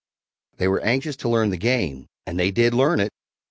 They were anxious to learn the game and they did learn it!